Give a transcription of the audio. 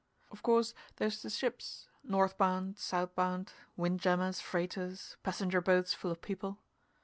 Of course there's the ships, north bound, south bound wind jammers, freighters, passenger boats full of people.